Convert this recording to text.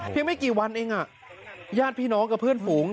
ไม่กี่วันเองญาติพี่น้องกับเพื่อนฝูง